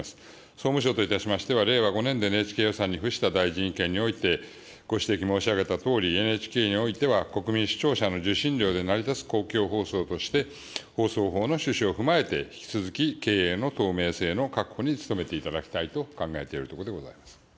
総務省といたしましては、令和５年度ＮＨＫ予算に付した大臣意見において、ご指摘申し上げたとおり、ＮＨＫにおいては、国民・視聴者の受信料で成り立つ公共放送として、放送法の趣旨を踏まえて、引き続き経営の透明性の確保に努めていただきたいと考えておるところでございます。